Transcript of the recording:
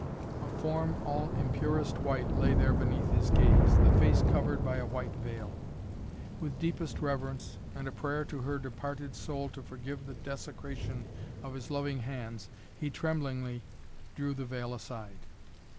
A form all in purest white lay there beneath his gaze, the face covered by a white veil. With deepest reverence, and a prayer to her departed soul to forgive the desecration of his loving hands, he tremblingly drew the veil aside.